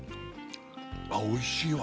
あっおいしいわ